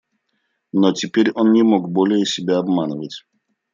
Но теперь он не мог более себя обманывать.